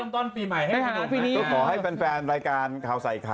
อุวยพรต้องถ่ายปีใหม่ด้วยแล้วไหมคะ